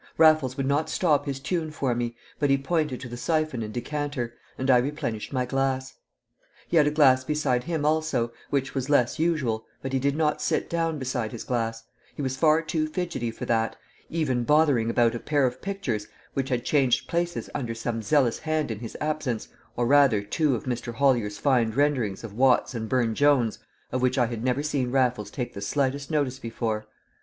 Raffles would not stop his tune for me, but he pointed to the syphon and decanter, and I replenished my glass. He had a glass beside him also, which was less usual, but he did not sit down beside his glass; he was far too fidgety for that; even bothering about a pair of pictures which had changed places under some zealous hand in his absence, or rather two of Mr. Hollyer's fine renderings of Watts and Burne Jones of which I had never seen Raffles take the slightest notice before.